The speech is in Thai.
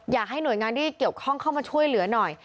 อยากให้หน่วยงานที่เกี่ยวข้องเข้ามาช่วยเหลือหน่อย